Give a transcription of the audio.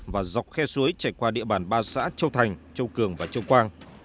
và dọc khe suối chạy qua địa bàn ba xã châu thành châu cường và châu quang